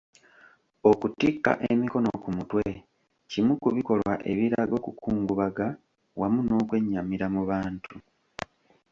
Okutikka emikono ku mutwe kimu ku bikolwa ebiraga okukungubaga wamu n'okwennyamira mu bantu.